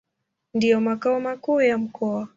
Ndio makao makuu ya mkoa.